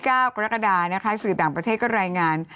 กรกฎานะคะสื่อต่างประเทศก็รายงาน